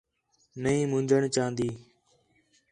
نھیں منڄݨ چاہندی